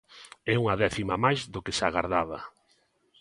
É unha décima máis do que se agardaba.